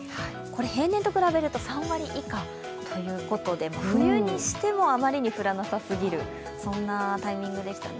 平年と比べると３割以下ということで冬にしてもあまりに降らなさすぎる、そんなタイミングでしたね。